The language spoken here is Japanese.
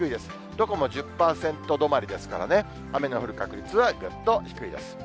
どこも１０％止まりですからね、雨の降る確率はぐっと低いです。